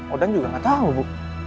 odan juga gak tau bu